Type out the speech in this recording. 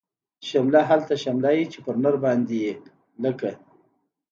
شمله هغلته شمله وی، چه په نرباندی وی لکه